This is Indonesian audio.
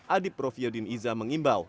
adip prof yudin iza mengimbau